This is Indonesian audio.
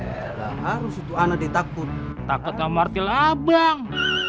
elah harus itu anak ditakut takutnya martil abang